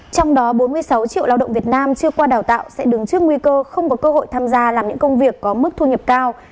trong đó bốn mươi sáu triệu lao động việt nam chưa qua đào tạo sẽ đứng trước nguy cơ không có cơ hội tham gia làm những công việc có mức thu nhập cao